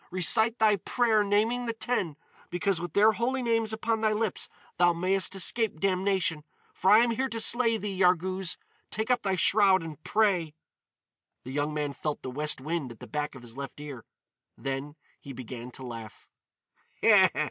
"Recite thy prayer naming the ten, because with their holy names upon thy lips thou mayest escape damnation. For I am here to slay thee, Yarghouz! Take up thy shroud and pray!" The young man felt the west wind at the back of his left ear. Then he began to laugh.